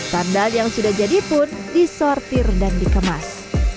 sandal yang sudah jadi pun disortir dan dikemas